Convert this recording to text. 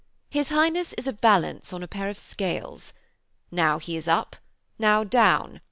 His Highness is a balance of a pair of scales. Now he is up, now down.